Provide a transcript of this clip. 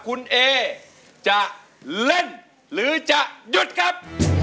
คุณเอจะเล่นหรือจะหยุดครับ